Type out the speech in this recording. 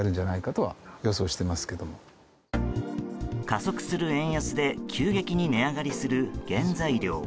加速する円安で急激に値上がりする原材料。